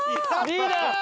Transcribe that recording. リーダー！